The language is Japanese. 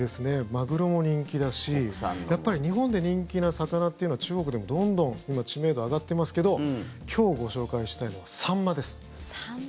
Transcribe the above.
マグロも人気だしやっぱり日本で人気の魚ってのは中国でも、どんどん今知名度上がってますけど今日ご紹介したいのはサンマです。